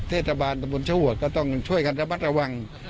เทศบาลสมุนชักหัวก็ต้องช่วยการระบัดระวัง